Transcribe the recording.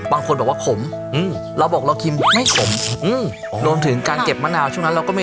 บางคนบอกว่าขม